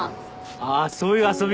ああそういう遊び？